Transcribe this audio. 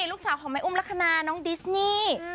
ลูกสาวของแม่อุ้มลักษณะน้องดิสนี่